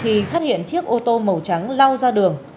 thì phát hiện chiếc ô tô màu trắng lau ra đường